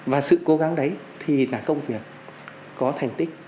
và sự cố gắng đấy thì là công việc có thành tích